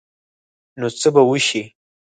نو څه به وشي ؟